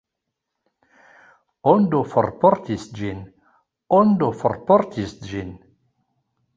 Ondo forportis ĝin, Ondo forportis ĝin.